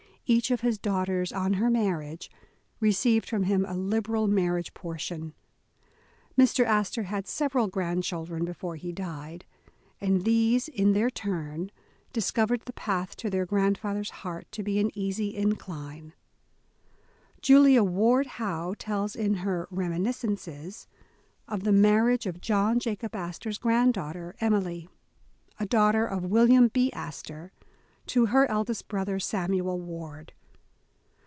Each of his daughters, on her marriage, received from him a liberal marriage portion. Mr. As tor had several grandchildren before he died, and these, in their turn, discovered the path to their grandfath er's heart to be an easy incline. Julia Ward Howe tells in her "Reminiscences", of the marriage of John Jacob Astor 's granddaughter, Em ily, a daughter of William B. Astor, to her eldest broth er, Samuel Ward.